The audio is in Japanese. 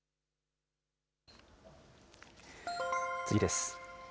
次です。